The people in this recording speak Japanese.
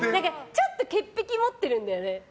ちょっと潔癖持ってるんだよね。